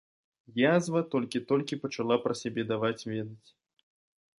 Язва толькі-толькі пачала пра сябе даваць ведаць.